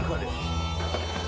terima kasih resi guru